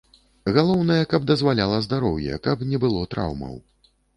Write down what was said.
Галоўнае, каб дазваляла здароўе, каб не было траўмаў.